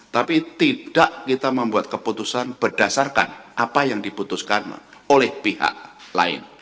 tapi tidak kita membuat keputusan berdasarkan apa yang diputuskan oleh pihak lain